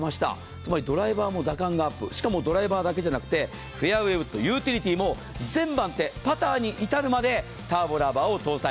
つまりドライバーも打感、しかもドライバーだけじゃなくてフェアウェーウッド、ユーティリティーもパターに至るまでターボラバーを搭載。